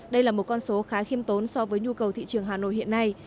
đây là một con số khá khiêm tốn so với nhu cầu thị trường hà nội hiện nay